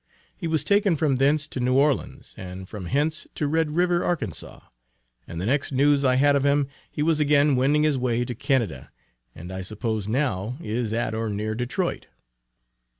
He was taken from thence to New Orleans and from hence to Red River, Arkansas and the next news I had of him he was again wending his way to Canada, and I suppose now is at or near Detroit.